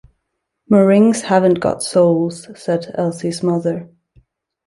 "Meringues haven't got souls," said Elsie's mother.